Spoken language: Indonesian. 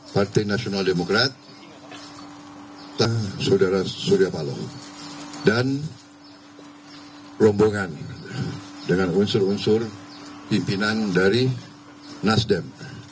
partai nasional demokrat saudara surya paloh dan rombongan dengan unsur unsur pimpinan dari nasdem